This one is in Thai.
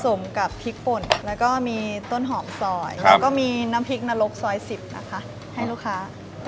สมกับพริกป่นแล้วก็มีต้นหอมซอยแล้วก็มีน้ำพริกนรกซอย๑๐นะคะให้ลูกค้า